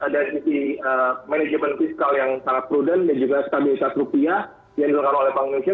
dan di manajemen fiskal yang sangat prudent dan juga stabilitas rupiah yang dilengkarakan oleh bank indonesia